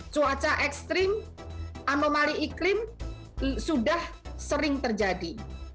cuaca ekstrim anomali iklim sudah sering terjadi